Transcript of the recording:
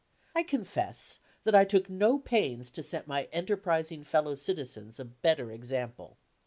I confess that I took no pains to set my enterprising fellow citizens a better example.